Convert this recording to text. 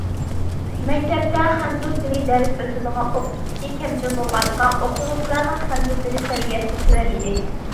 مەكتەپتە خەنزۇ تىلى دەرسى ئۆتىدىغان ئوقۇتقۇچى كەمچىل بولغاچقا، ئوقۇغۇچىلارنىڭ خەنزۇ تىلى سەۋىيەسى تۆۋەن ئىدى.